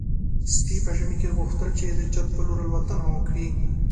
سپي په ژمي کې غوښتل چې د چت په لور الوتنه وکړي.